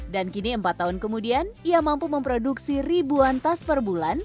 dan kini empat tahun kemudian ia mampu memproduksi ribuan tas per bulan